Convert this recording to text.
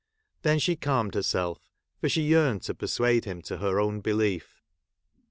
Then she calmed herself, for she yearned to persuade him to her own belief.